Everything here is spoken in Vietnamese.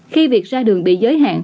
khi việc ra đường bị giới hạn